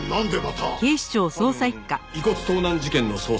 多分遺骨盗難事件の捜査だと。